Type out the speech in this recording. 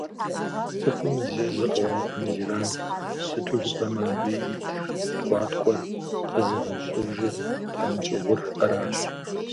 Цӏыхум и зэзыр кърахми зэранкъым, сыту жыпӏэмэ, абы ит ткӏуаткӏуэр къэзыгъэщӏыжыр тхьэмщӏыгъур аращ.